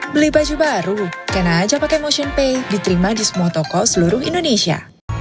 beli baju baru kena aja pake motionpay diterima di semua toko seluruh indonesia